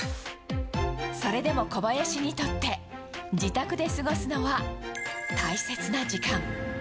それでも小林にとって、自宅で過ごすのは大切な時間。